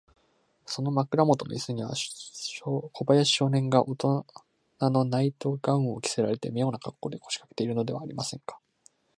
その枕もとのイスには、小林少年がおとなのナイト・ガウンを着せられて、みょうなかっこうで、こしかけているではありませんか。